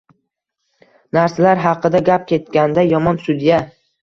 Narsalar haqida gap ketganda yomon sudya.